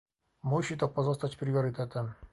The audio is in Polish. Musi to pozostać priorytetem